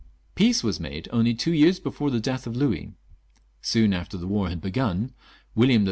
Peace was made only two years before the death of Louis. Soon after the war had begun William III.